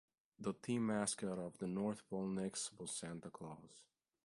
The team mascot for the North Pole Nicks was Santa Claus.